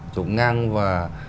chụp ngang và